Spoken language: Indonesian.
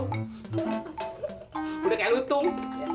udah kayak lutung